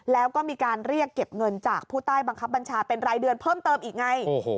แล้วก็มีการเรียกเก็บเงินจากผู้ใต้บังคับบัญชาเป็นรายเดือนเพิ่มเติมอีกไง